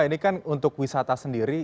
ini kan untuk wisata sendiri